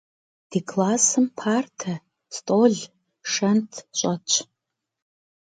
Di klassım parte, st'ol, şşent ş'etş.